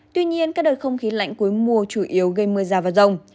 tuy nhiên các đợt không khí lạnh cuối mùa chủ yếu gây mưa rào và rông